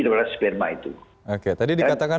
kepada sperma itu oke tadi dikatakan